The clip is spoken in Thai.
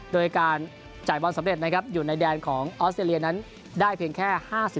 โดยการจ่ายบอลสำเร็จนะครับอยู่ในแดนของออสเตรเลียนั้นได้เพียงแค่๕๐